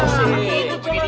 sigh itu begini